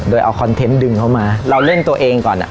โดยเอาคอนเทนต์ดึงเขามาเราเล่นตัวเองก่อนอ่ะ